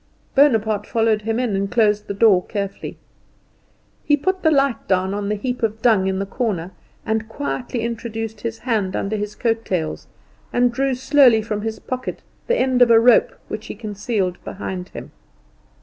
Bonaparte followed him in, and closed the door carefully. He put the light down on the heap of dung in the corner, and quietly introduced his hand under his coat tails, and drew slowly from his pocket the end of a rope, which he concealed behind him.